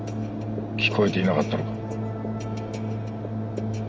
聞こえていなかったのか。